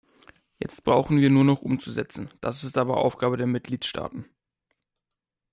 Jetzt brauchen wir nur noch umzusetzen das ist aber Aufgabe der Mitgliedstaaten.